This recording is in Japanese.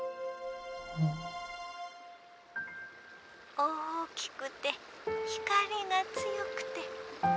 大きくて光が強くて。